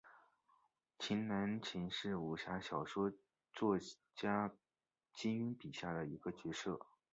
秦南琴是武侠小说作家金庸笔下的其中一个角色。